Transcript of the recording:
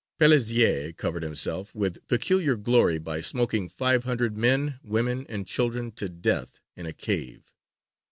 Pelissier covered himself with peculiar glory by smoking five hundred men, women, and children to death in a cave.